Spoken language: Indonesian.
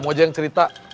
itu aja yang cerita